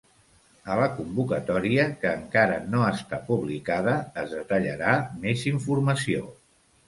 A la convocatòria, que encara no està publicada, es detallarà més informació.